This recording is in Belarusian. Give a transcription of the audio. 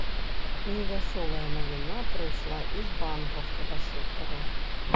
Невясёлая навіна прыйшла і з банкаўскага сектару.